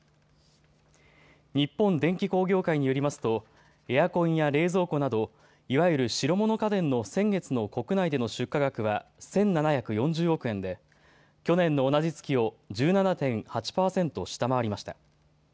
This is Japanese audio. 日本電機工業会によりますとエアコンや冷蔵庫などいわゆる白物家電の先月の国内での出荷額は１７４０億円で去年の同じ月を１７．８％下回りました。